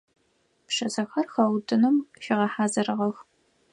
Пшысэхэр хэутыным фигъэхьазырыгъэх.